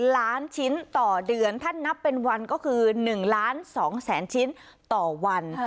ล้านชิ้นต่อเดือนท่านนับเป็นวันก็คือ๑ล้าน๒แสนชิ้นต่อวัน